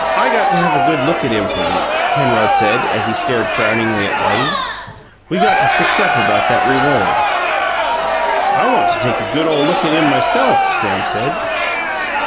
"I got to have a good look at him, for once," Penrod said, as he stared frowningly at Whitey. "We got to fix up about that reward." "I want to take a good ole look at him myself," Sam said.